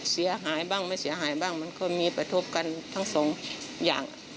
เสียหายบ้างไม่เสียหายบ้างมันก็มีกระทบกันทั้งสองอย่าง